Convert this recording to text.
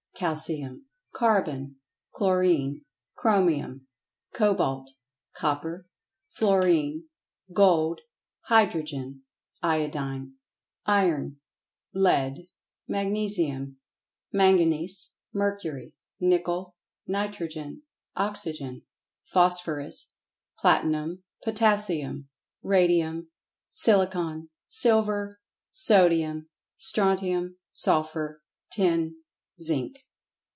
Calcium. Carbon. Chlorine. Chromium. Cobalt. Copper. Fluorine. Gold. Hydrogen. Iodine. Iron. Lead. [Pg 91] Magnesium. Manganese. Mercury. Nickel. Nitrogen. Oxygen. Phosphorus. Platinum. Potassium. Radium. Silicon. Silver. Sodium. Strontium. Sulphur. Tin. Zinc.